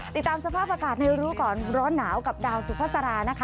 ติดตามสภาพอากาศในรู้ก่อนร้อนหนาวกับดาวสุภาษารานะคะ